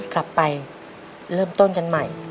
กลับไปเริ่มต้นกันใหม่